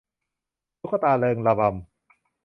ตุ๊กตาเริงระบำ